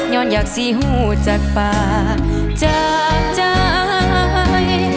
ย้อนอยากสิหูจัดปากจักใจ